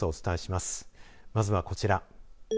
まずはこちら。